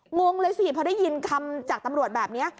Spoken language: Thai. งงเลยสิพอได้ยินคำจากตำรวจแบบนี้